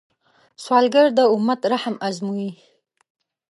سوالګر د امت رحم ازمويي